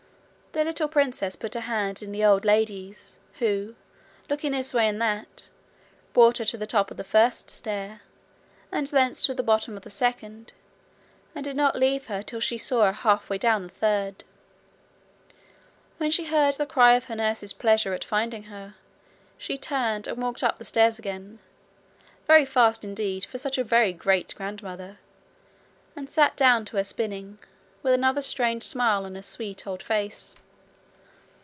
The little princess put her hand in the old lady's, who, looking this way and that, brought her to the top of the first stair, and thence to the bottom of the second, and did not leave her till she saw her half way down the third. When she heard the cry of her nurse's pleasure at finding her, she turned and walked up the stairs again, very fast indeed for such a very great grandmother, and sat down to her spinning with another strange smile on her sweet old face.